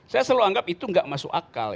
saya selalu anggap itu nggak masuk akal